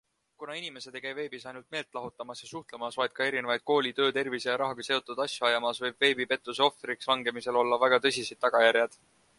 Kuna inimesed ei käi veebis ainult meelt lahutamas ja suhtlemas, vaid ka erinevaid kooli, töö, tervise ja rahaga seotud asju ajamas, võib veebipettuse ohvriks langemisel olla väga tõsised tagajärjed.